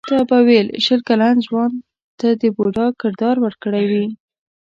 تا به ویل شل کلن ځوان ته د بوډا کردار ورکړی وي.